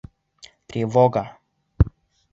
Тревога!